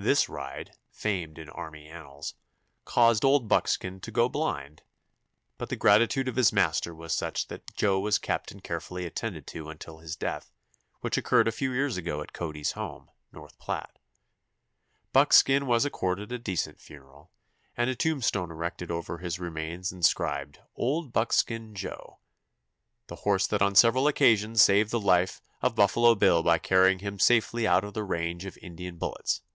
This ride, famed in army annals, caused Old Buckskin to go blind, but the gratitude of his master was such that Joe was kept and carefully attended to until his death, which occurred a few years ago at Cody's home, North Platte. Buckskin was accorded a decent funeral, and a tombstone erected over his remains inscribed "Old Buckskin Joe, the horse that on several occasions saved the life of Buffalo Bill by carrying him safely out of the range of Indian bullets.